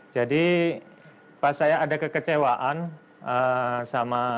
jadi pas saya ada kekecewaan sama